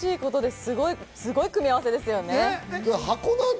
すごい組み合わせですよね。